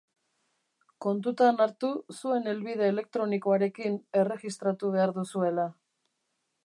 Kontutan hartu zuen helbide elektronikoarekin erregistratu behar duzuela.